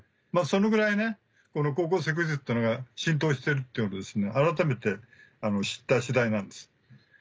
そのぐらいこの『高校生クイズ』っていうのが浸透してるっていうことを改めて知った次第なんです。